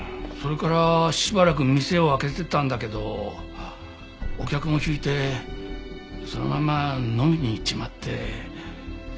それからしばらく店を開けてたんだけどお客も引いてそのまま飲みに行っちまって。